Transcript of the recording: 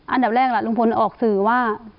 อันดับแรกล่ะลุงพลออกสื่อว่า